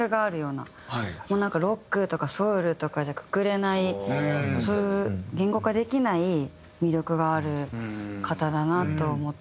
なんかロックとかソウルとかじゃくくれないそういう言語化できない魅力がある方だなと思ってます。